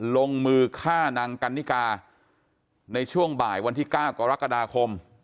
ลงมือฆ่านางกันนิกาในช่วงบ่ายวันที่๙กรกฎาคม